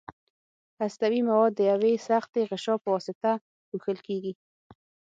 هستوي مواد د یوې سختې غشا په واسطه پوښل کیږي.